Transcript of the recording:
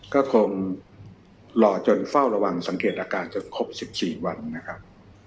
ก็คงรอจนเฝ้าระวังสังเกตอาการจนครบ๑๔วันนะครับ